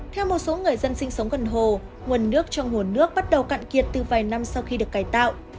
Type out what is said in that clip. theo một số người dân sinh sống gần hồ nguồn nước trong hồ nước bắt đầu cạn kiệt từ vài năm sau khi được cải tạo